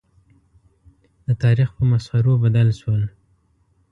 د تاریخ په مسخرو بدل شول.